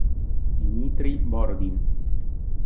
Dmitrij Borodin